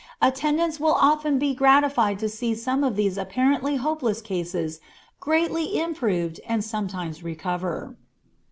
Attendants will often be gratified to see some of these apparently hopeless cases greatly improve and sometimes recover.